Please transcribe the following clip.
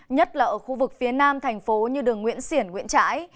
nhất là ở khu vực phía nam thành phố như đường nguyễn xiển nguyễn trãi